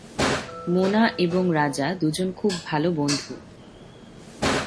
মোনা এবং রাজা দুজন খুব ভালো বন্ধু।